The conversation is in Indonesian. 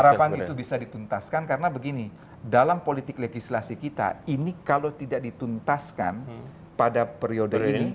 harapan itu bisa dituntaskan karena begini dalam politik legislasi kita ini kalau tidak dituntaskan pada periode ini